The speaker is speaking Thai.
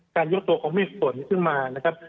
ยกตัวของเมฆฝนขึ้นมานะครับ